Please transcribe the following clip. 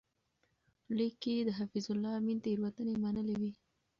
لیک کې یې د حفیظالله امین تېروتنې منلې وې.